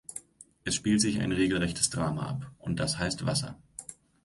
Es spielt sich ein regelrechtes Drama ab und das heißt "Wasser".